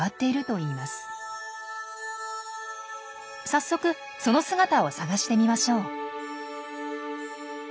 早速その姿を探してみましょう。